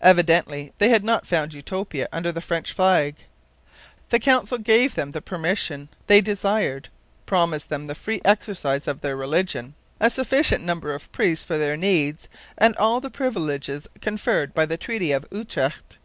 Evidently they had not found Utopia under the French flag. The Council gave them the permission they desired, promised them the free exercise of their religion, a sufficient number of priests for their needs, and all the privileges conferred by the Treaty of Utrecht.